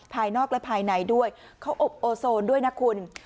ภายนอกและภายในด้วยเขาอบโอโซนด้วยนะคุณ